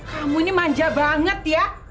kamu ini manja banget ya